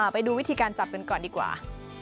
ไปดูวิธีการจับกันก่อนดีกว่า